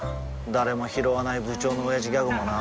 誰もひろわない部長のオヤジギャグもな